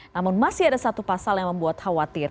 namun masih ada satu pasal yang membuat khawatir